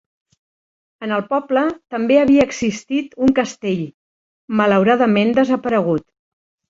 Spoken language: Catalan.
En el poble també havia existit un castell, malauradament desaparegut.